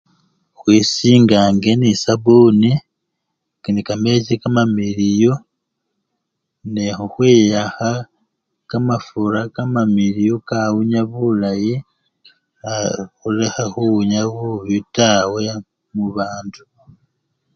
Khwisingange nende esabuni, nende kamechi kamamiliyu nende khukhwiyakha kamafura kamamiliyu kakawunya bulayi aa! khulekhe khuwunya bubi tawe mubandu.